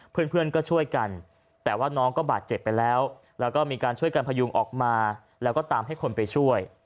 เพื่อนก็ช่วยกันแต่ว่าน้องก็บาดเจ็บไปแล้วแล้วก็มีการช่วยกันพยุงออกมาแล้วก็ตามให้คนไปช่วย